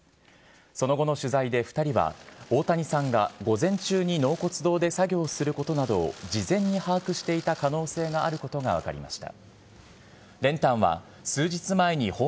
その後の取材で２人は、大谷さんが午前中に納骨堂で作業することなどを事前に把握していた可能性があることが分かりました。